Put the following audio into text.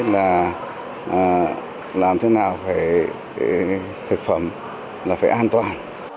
làm thế nào về thực phẩm là phải an toàn